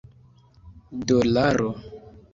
dolaro